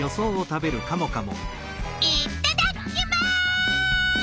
いっただっきます！